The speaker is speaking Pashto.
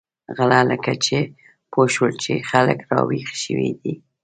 غله لکه چې پوه شول چې خلک را وېښ شوي دي.